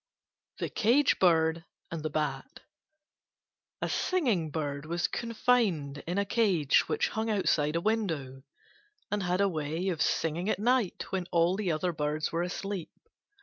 THE CAGE BIRD AND THE BAT A Singing bird was confined in a cage which hung outside a window, and had a way of singing at night when all other birds were asleep.